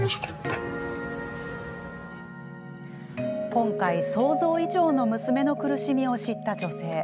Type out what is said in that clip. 今回、想像以上の娘の苦しみを知った女性。